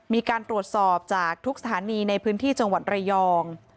มีการตรวจสอบจากทุกสถานีในพื้นที่จังหวัดระยอง